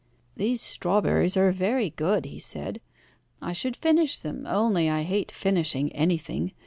"These strawberries are very good," he said. "I should finish them, only I hate finishing anything.